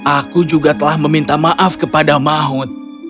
aku juga telah meminta maaf kepada mahut